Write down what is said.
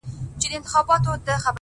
• ولي مي هره شېبه، هر ساعت په غم نیسې،